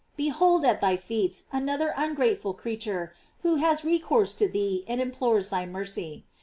Behold at thy feet another ungrateful creature who has recourse to thee and implores thy mercy.